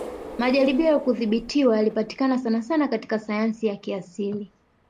Majaribio ya kudhibitiwa yanayopatikana sanasana katika sayansi za kiasili